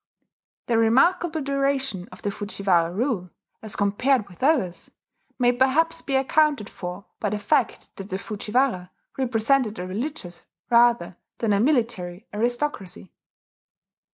The remarkable duration of the Fujiwara rule, as compared with others, may perhaps be accounted for by the fact that the Fujiwara represented a religious, rather than a military, aristocracy.